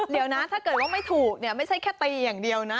เดี๋ยวนะถ้าเกิดว่าไม่ถูกเนี่ยไม่ใช่แค่ตีอย่างเดียวนะ